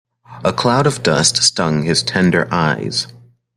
A cloud of dust stung his tender eyes.